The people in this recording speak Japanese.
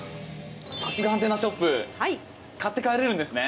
さすがアンテナショップ買って帰れるんですね！